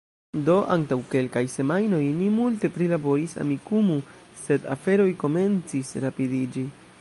Do, antaŭ kelkaj semajnoj ni multe prilaboris Amikumu, sed aferoj komencis rapidiĝi